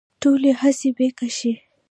ټولې هڅې پيکه شي